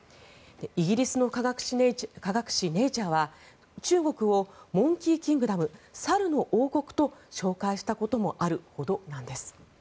イギリスの科学誌「ネイチャー」は中国を、モンキー・キングダム猿の王国と紹介したこともあるほどなんです。